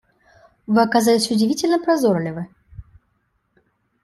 Вы оказались удивительно прозорливы.